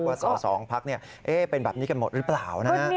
ว่าสองพักเนี่ยเป็นแบบนี้กันหมดหรือเปล่านะ